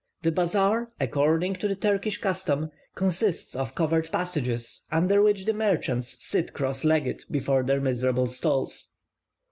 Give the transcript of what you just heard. The bazaar, according to the Turkish custom, consists of covered passages, under which the merchants sit cross legged before their miserable stalls.